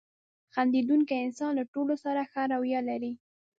• خندېدونکی انسان له ټولو سره ښه رویه لري.